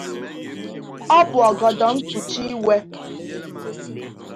Ọ bụ ọgọdọ mkpuchi iwe